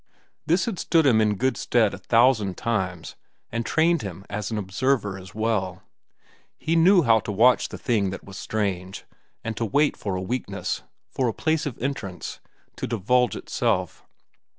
This had stood him in good stead a thousand times and trained him as an observer as well. He knew how to watch the thing that was strange, and to wait for a weakness, for a place of entrance, to divulge itself.